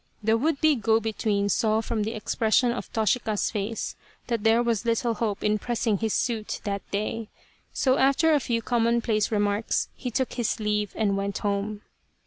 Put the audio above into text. The would be go between saw from the expression of Toshika's face that there was little hope in pressing his suit that day, so after a few commonplace remarks he took his leave and went home.